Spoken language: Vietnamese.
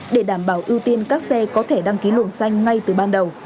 để đảm bảo ưu tiên các xe có thể đăng ký luồng xanh ngay từ ban đầu